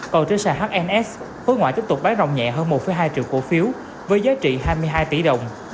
còn trên sàn hns khối ngoại tiếp tục bán rồng nhẹ hơn một hai triệu cổ phiếu với giá trị hai mươi hai tỷ đồng